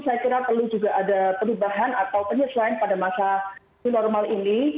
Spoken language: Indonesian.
saya kira perlu juga ada perubahan atau penyesuaian pada masa new normal ini